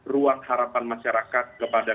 ruang harapan masyarakat kepada